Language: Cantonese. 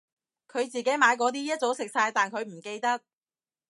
佢自己買嗰啲一早食晒但佢唔記得